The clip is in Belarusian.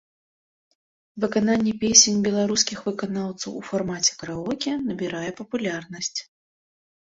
Выкананне песень беларускіх выканаўцаў у фармаце караоке набірае папулярнасць.